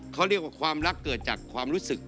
เขาเรียกว่าความรักเกิดจากความรู้สึก